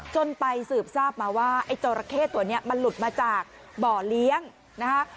จนไปสืบทราบมาว่าไอ้จราเข้ตัวนี้มันหลุดมาจากบ่อเลี้ยงนะคะ